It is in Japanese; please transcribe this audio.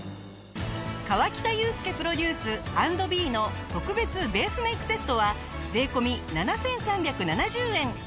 河北裕介プロデュース＆ｂｅの特別ベースメイクセットは税込７３７０円。